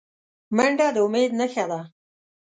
منډه د امید نښه ده